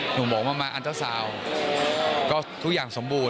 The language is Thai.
หนุ่มบอกมามาอัลเจ้าสาวก็ทุกอย่างสมบูรณ์